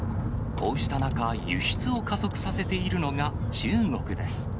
こうした中、輸出を加速させているのが中国です。